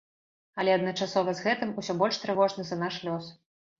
Але адначасова з гэтым усё больш трывожна за наш лёс.